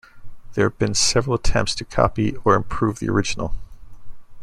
There have been several attempts to copy or improve the original.